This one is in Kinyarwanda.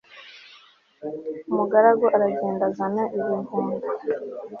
Umugaragu aragenda azana ibihunda